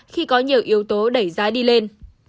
khi có nhiều yếu tố đẩy giá đi lên